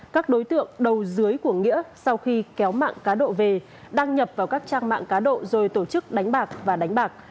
các đối tượng đầu dưới của nghĩa sau khi kéo mạng cá độ về đăng nhập vào các trang mạng cá độ rồi tổ chức đánh bạc và đánh bạc